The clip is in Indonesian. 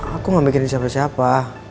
aku gak mikirin siapa siapa